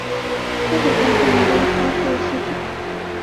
它可在众多操作系统。